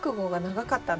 長かった。